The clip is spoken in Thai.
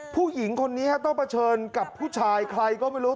ผู้หญิงคนนี้ต้องเผชิญกับผู้ชายใครก็ไม่รู้